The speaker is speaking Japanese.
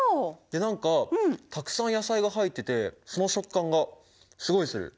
何かたくさん野菜が入っててその食感がすごいする！